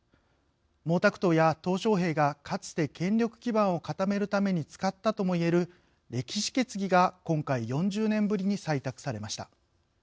毛沢東や小平がかつて権力基盤を固めるために使ったともいえる歴史決議が今回４０年ぶりに採択されました。